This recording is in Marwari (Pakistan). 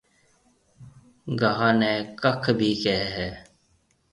گاها نَي ڪک ڀِي ڪهيَ هيَ۔